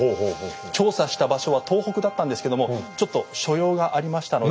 調査した場所は東北だったんですけどもちょっと所用がありましたので。